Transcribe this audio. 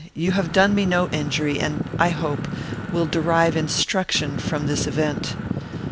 You have done me no injury, and, I hope, will derive instruction from this event.